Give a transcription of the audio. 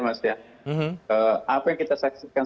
mas ya apa yang kita saksikan